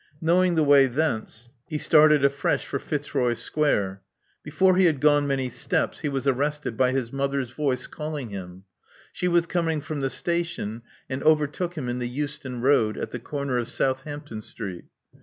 Knowing the way thence, he Love Among the Artists 217 started afresh for Fitzroy Square. Before he had gone many steps he was arrested by his mother's voice calling him. She was coming from the station, and overtook him in the Euston Road, at the corner of Southampton Strieet.